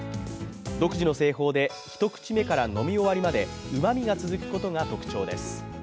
独自の製法で１口目から飲み終わりまでうまみが続くことが特徴です。